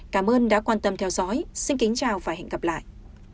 cảm ơn đã quan tâm theo dõi xin kính chào và hẹn gặp lại